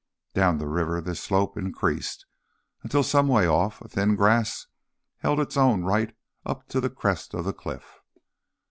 Down the river this slope increased, until some way off a thin grass held its own right up to the crest of the cliff.